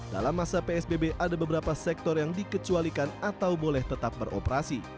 dalam masa psbb ada beberapa sektor yang dikecualikan atau boleh tetap beroperasi